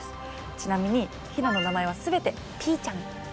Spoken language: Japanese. ちなみにヒナの名前は全て「ピーちゃん」。